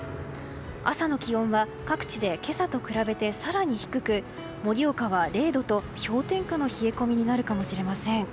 朝の気温は各地で今朝と比べて更に低く盛岡は０度と氷点下の冷え込みになるかもしれません。